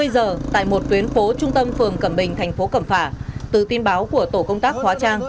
hai mươi giờ tại một tuyến phố trung tâm phường cẩm bình thành phố cẩm phả từ tin báo của tổ công tác hóa trang